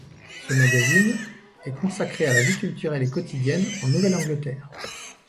Ce magazine est consacré à la vie culturelle et quotidienne en Nouvelle-Angleterre.